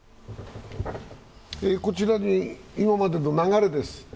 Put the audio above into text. こちらに今までの流れです。